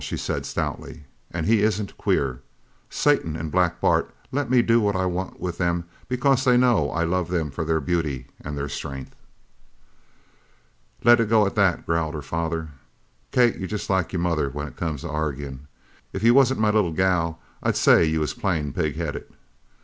she said stoutly, "and he isn't queer. Satan and Black Bart let me do what I want with them because they know I love them for their beauty and their strength." "Let it go at that," growled her father. "Kate, you're jest like your mother when it comes to arguin'. If you wasn't my little gal I'd say you was plain pig headed.